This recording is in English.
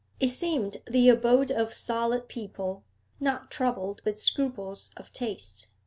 It seemed the abode of solid people, not troubled with scruples of taste.